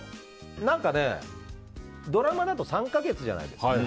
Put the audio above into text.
ドラマだと３か月じゃないですか。